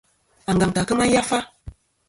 Angantɨ à kema yafa.